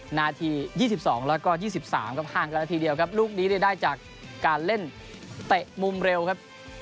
นาที๒๒แล้วก็๒๓ครับห่างกันนาทีเดียวครับลูกนี้ได้จากการเล่นเตะมุมเร็วครับ